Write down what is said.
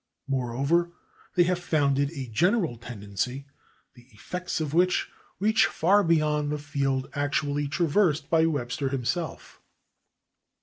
Moreover, they have founded a general tendency, the effects of which reach far beyond the field actually traversed by Webster himself.